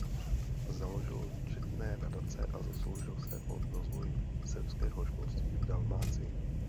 Založil četné nadace a zasloužil se o rozvoj srbského školství v Dalmácii.